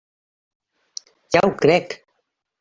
Ja ho crec!